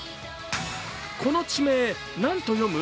この地名、何と読む？